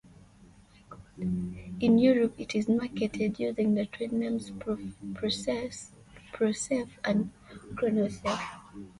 In Europe it is marketed using the trade names Procef and Cronocef.